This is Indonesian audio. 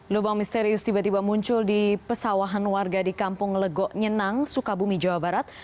lubang misterius tiba tiba muncul di pesawahan warga di kampung legok nyenang sukabumi jawa barat